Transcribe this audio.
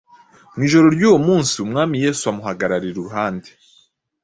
Mu ijoro ry’uwo munsi, Umwami Yesu amuhagarara iruhande,